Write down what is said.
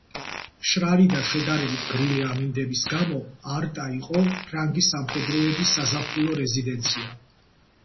მშრალი და შედარებით გრილი ამინდების გამო არტა იყო ფრანგი სამხედროების საზაფხულო რეზიდენცია.